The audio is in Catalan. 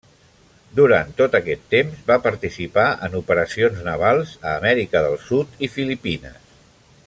Durant tot aquest temps va participar en operacions navals a Amèrica del Sud i Filipines.